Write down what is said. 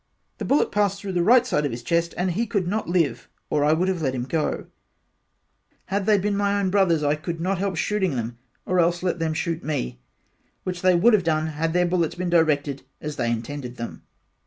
the bullet passed through the right side of his chest & he could not live or I would have let him go had they been my own brother I could not help shooting there or else let them shoot me which they would have done had their bullets been directed as they intended them.